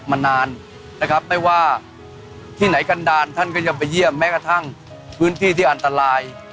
มันก็ทำให้ประเทศไทยมีได้ทุกวันนี้ค่ะ